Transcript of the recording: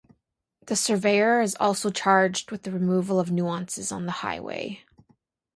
The surveyor is also charged with the removal of nuisances on the highway.